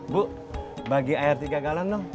bu bagi air tiga galon dong